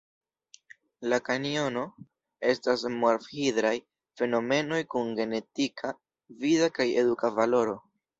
La kanjono estas morf-hidraj fenomenoj kun genetika, vida kaj eduka valoro.